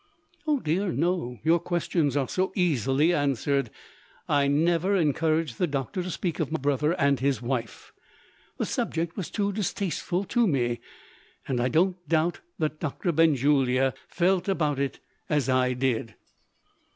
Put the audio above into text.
"Oh, dear, no! your questions are so easily answered. I never encouraged the doctor to speak of my brother and his wife. The subject was too distasteful to me and I don't doubt that Doctor Benjulia felt about it as I did."